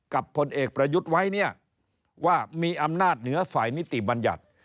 ผลเอกประยุทธ์ไว้เนี่ยว่ามีอำนาจเหนือฝ่ายนิติบัญญัติ